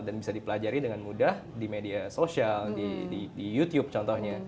dan bisa dipelajari dengan mudah di media sosial di youtube contohnya